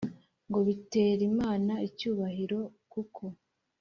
Ngo biter’Imana-icyubahiro Kuko